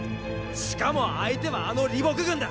しかも相手はあの李牧軍だ。